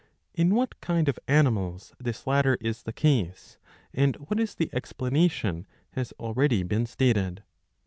In what kind 'of animals this latter is the case, and what is the explanation, has already been stated.